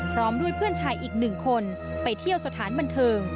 พร้อมด้วยเพื่อนชายอีกหนึ่งคนไปเที่ยวสถานบันเทิง